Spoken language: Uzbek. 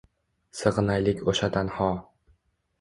Sig’inaylik o’sha tanho